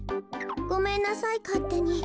ごめんなさいかってに。